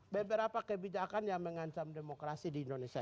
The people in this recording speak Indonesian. beberapa kebijakan yang mengancam demokrasi di indonesia